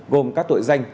gồm các tội danh